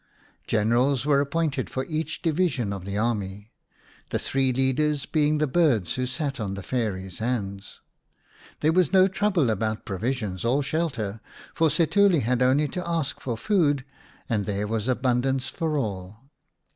Generals were appointed for each division of the army, the three leaders being the birds who sat on the Fairy's hands. There was no trouble about provisions or shelter, for Setuli had only to ask for food and there was abundance for all.